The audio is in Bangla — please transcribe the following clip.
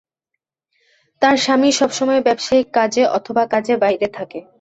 তার স্বামী সবসময় ব্যাবসায়িক কাজে অথবা কাজে বাইরে থাকে।